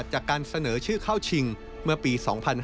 จากการเสนอชื่อเข้าชิงเมื่อปี๒๕๕๙